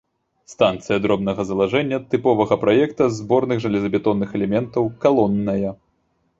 Станцыя дробнага залажэння, тыпавога праекта з зборных жалезабетонных элементаў, калонная.